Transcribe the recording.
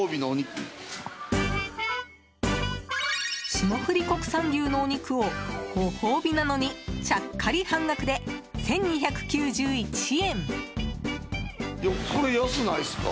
霜降り国産牛のお肉をご褒美なのにちゃっかり半額で１２９１円。